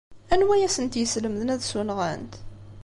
Anwa ay asent-yeslemden ad ssunɣent?